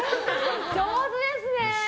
上手ですね。